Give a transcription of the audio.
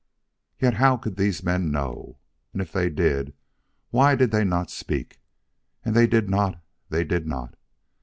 Yet how could these men know? And if they did why did they not speak? And they did not; they did not.